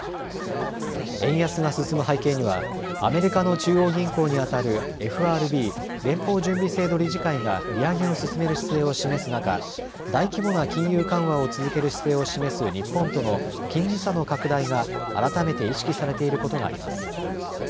円安が進む背景にはアメリカの中央銀行にあたるＦＲＢ・連邦準備制度理事会が利上げを進める姿勢を示す中、大規模な金融緩和を続ける姿勢を示す日本との金利差の拡大が改めて意識されていることがあります。